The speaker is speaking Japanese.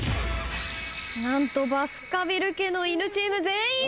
何とバスカヴィル家の犬チーム全員正解！